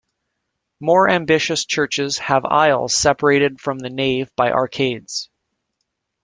More ambitious churches have aisles separated from the nave by arcades.